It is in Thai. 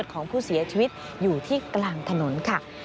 ของผู้เสียชีวิตอยู่ที่กลางถนนค่ะ